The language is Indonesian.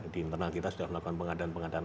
di internal kita sudah melakukan pengadaan pengadaan